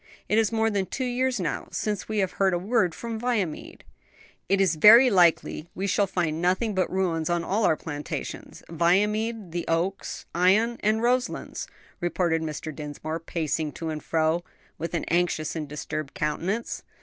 It is more than two years now, since we have heard a word from Viamede." "It is very likely we shall find nothing but ruins on all our plantations Viamede, the Oaks, Ion, and Roselands," remarked Mr. Dinsmore, pacing to and fro with an anxious and disturbed countenance.